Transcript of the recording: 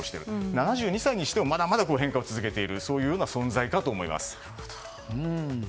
７２歳にしてもまだまだ変化を続けている存在かと思います。